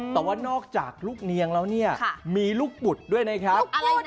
แต่ว่านอกจากลูกเนียงแล้วเนี่ยมีลูกบุตรด้วยนะครับ